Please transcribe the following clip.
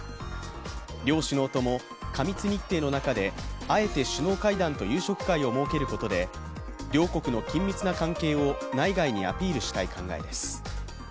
両首脳とも過密日程の中であえて首脳会談と夕食会を設けることで両国の緊密な関係を内外にアピールしたい考えです。